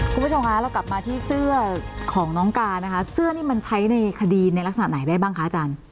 คุณผู้ชมคะเรากลับมาที่เสื้อของน้องกานะคะเสื้อนี่มันใช้ในคดีในลักษณะไหนได้บ้างคะอาจารย์